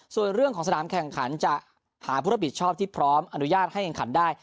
ส่วนเรื่องของสนามแข่งขันจะหาผู้รับผิดชอบที่พร้อมอนุญาตให้แข่งขันได้